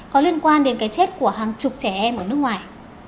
có liên quan đến cái chết của hàng chục trẻ em ở nước ngoài